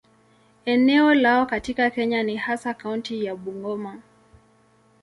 Eneo lao katika Kenya ni hasa kaunti ya Bungoma.